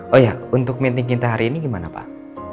oh ya untuk mainting kita hari ini gimana pak